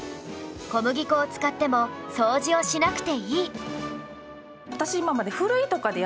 小麦粉を使っても掃除をしなくていい